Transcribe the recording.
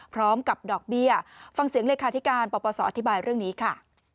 พร้อมกับดอกเบี้ยฟังเสียงเลขาธิการปปศอธิบายเรื่องนี้ค่ะ